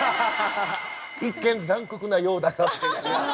「一見残酷なようだが」って。